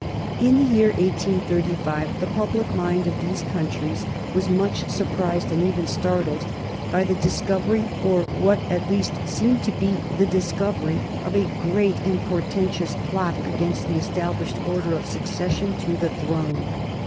[Sidenote: 1835 The Orange Associations] In the year 1835 the public mind of these countries was much surprised, and even startled, by the discovery, or what at least seemed to be the discovery, of a great and portentous plot against the established order of succession to the throne.